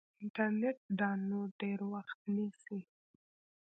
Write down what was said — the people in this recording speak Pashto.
انټرنیټ ډاونلوډ ډېر وخت نیسي.